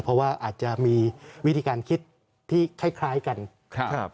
เพราะว่าอาจจะมีวิธีการคิดที่คล้ายกันครับ